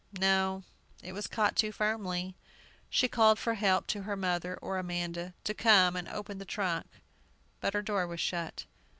No, it was caught too firmly. She called for help to her mother or Amanda, to come and open the trunk. But her door was shut.